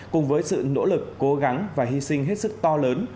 cùng với sự nỗ lực cố gắng và hy sinh hết sức to lớn